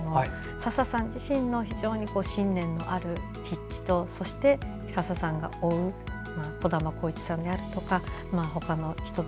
佐々さん自身の非常に信念のある筆致とそして佐々さんが追う児玉晃一さんであるとか他の人々。